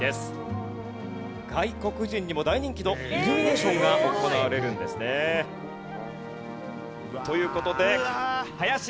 外国人にも大人気のイルミネーションが行われるんですね。という事で林泰文さん